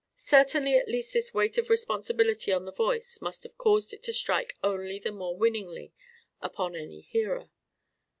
Certainly at least this weight of responsibility on the voice must have caused it to strike only the more winningly upon any hearer.